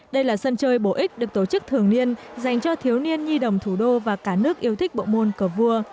đây là sân chơi bổ ích được tổ chức thường niên dành cho thiếu niên nhi đồng thủ đô và cả nước yêu thích bộ môn cờ vua